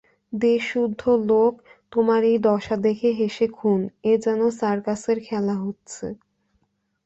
দেশসুদ্ধ লোক তোমার এই দশা দেখে হেসে খুন, এ যেন সার্কাসের খেলা হচ্ছে।